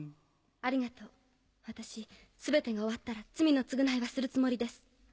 ありがとう私全てが終わったら罪の償いはするつもりです。